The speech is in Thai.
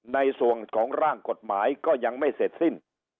ในส่วนของร่างกฎหมายก็ยังไม่เสร็จสิ้น